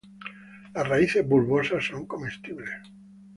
Las raíces bulbosas son comestibles.